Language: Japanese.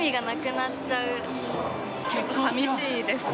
寂しいですね。